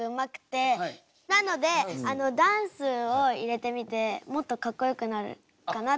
なのでダンスを入れてみてもっとかっこよくなるかなと。